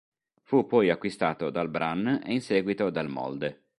Fu poi acquistato dal Brann ed in seguito dal Molde.